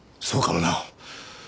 そうかもな。